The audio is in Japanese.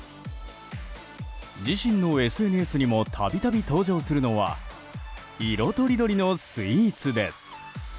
自身のＳＮＳにも度々登場するのは色とりどりのスイーツです。